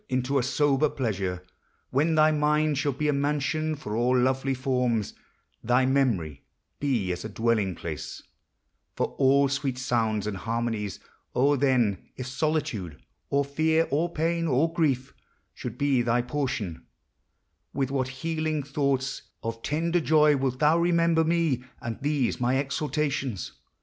Into a sober pleasure; when thy mind Shall be a mansion for all lovely forms, Thy memory be as a dwelling place For all sweet sounds and harmonies; O, then, If solitude or fear or pain or grief Should be thy portion, with what healing thought} Of tender joy wilt thou remember me. And these my exhortations!